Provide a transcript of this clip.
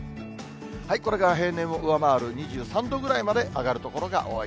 これが平年を上回る２３度ぐらいまで上がる所が多い。